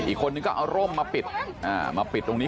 อีกคนนึงก็เอาร่มมาปิดมาปิดตรงนี้